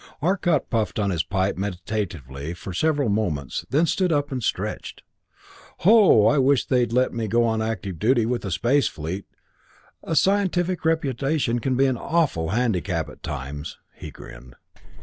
Arcot puffed on his pipe meditatively for several moments, then stood up and stretched. "Ho I wish they'd let me go on active duty with the space fleet! A scientific reputation can be an awful handicap at times," he grinned.